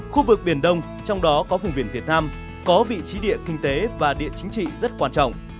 khu vực biển đông trong đó có vùng biển việt nam có vị trí địa kinh tế và địa chính trị rất quan trọng